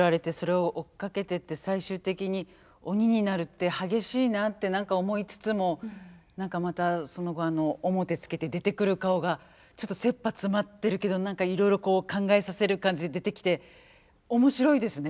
最終的に鬼になるって激しいなって何か思いつつも何かまたその面つけて出てくる顔がちょっとせっぱ詰まってるけど何かいろいろこう考えさせる感じで出てきて面白いですね